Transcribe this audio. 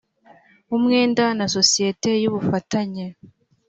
umwenda n isosiyete y ubufatanye